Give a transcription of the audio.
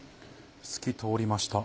透き通りました。